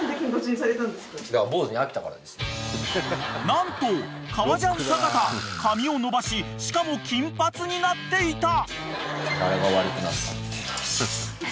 ［何と革ジャン阪田髪を伸ばししかも金髪になっていた！］